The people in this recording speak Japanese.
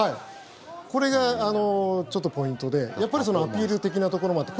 これがちょっとポイントでやっぱりアピール的なところもあって。